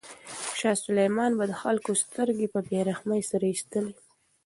شاه سلیمان به د خلکو سترګې په بې رحمۍ سره ایستلې.